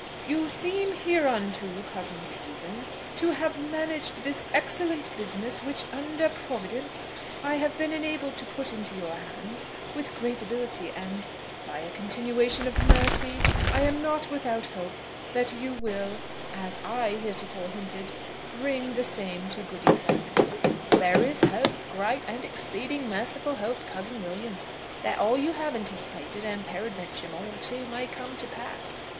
"You seem hereunto, cousin Stephen, to have managed this excellent business, which under Providence I have been enabled to put into your hands, with great ability; and, by a continuation of mercy, I am not without hope, that you will, as I heretofore hinted, bring the same to good effect." "There is hope, great and exceeding merciful hope, cousin William, that all you have anticipated, and peradventure more too, may come to pass.